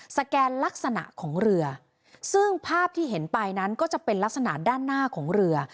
แกนลักษณะของเรือซึ่งภาพที่เห็นไปนั้นก็จะเป็นลักษณะด้านหน้าของเรือ